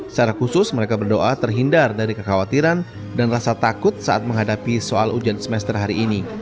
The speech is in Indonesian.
secara khusus mereka berdoa terhindar dari kekhawatiran dan rasa takut saat menghadapi soal ujian semester hari ini